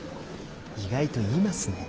意外と言いますね。